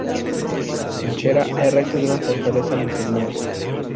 En Chera hay restos de una fortaleza musulmana.